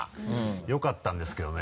よかったんですけどね